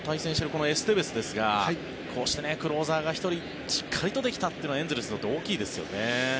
このエステベスですがこうしてクローザーが１人しっかりとできたというのはエンゼルスにとって大きいですよね。